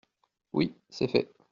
Oui, c’est fait.